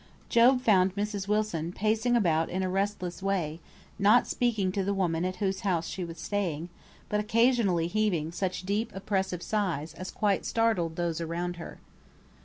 Job found Mrs. Wilson pacing about in a restless way; not speaking to the woman at whose house she was staying, but occasionally heaving such deep oppressive sighs as quite startled those around her.